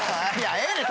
ええねん